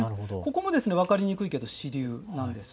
ここも分かりにくいけど支流なんです。